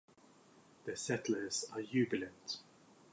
The settlers are jubilant.